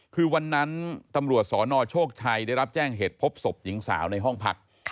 คือวันนั้นตำรวจสนโชคชัยได้รับแจ้งเหตุพบศพหญิงสาวในห้องพัก